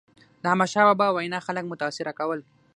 د احمدشاه بابا وینا خلک متاثره کول.